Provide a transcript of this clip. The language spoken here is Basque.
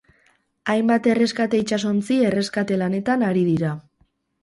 Hainbat erreskate itsasontzi erreskate lanetan ari dira.